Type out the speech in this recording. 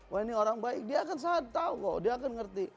wah ini orang baik dia akan saya tahu kok dia akan ngerti